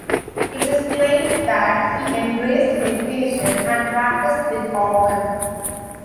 It is claimed that he embraced meditation and practiced it often.